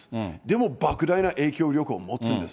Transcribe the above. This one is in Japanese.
でもばく大な影響力を持つんです。